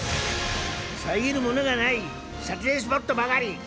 遮るものがない撮影スポットばかり！